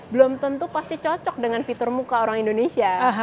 belum tentu pasti cocok dengan fitur muka orang indonesia